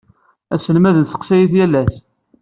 Aselmad nesseqsay-it yal ass.